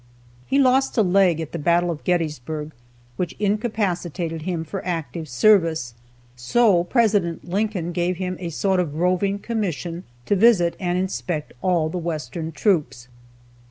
He lost a leg at the battle of Gettysburg, which incapacitated him for active service, so President Lincoln gave him a sort of roving commission to visit and inspect all the western troops.